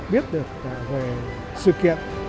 biết được về sự kiện